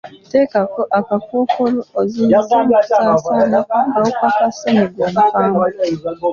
Tekako akakookolo oziyizze okusaasaana kw'akawuka ka ssenyiga omukambwe.